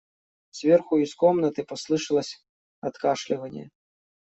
Сверху из комнаты послышалось откашливание.